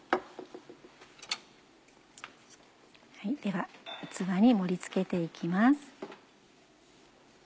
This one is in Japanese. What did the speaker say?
では器に盛り付けて行きます。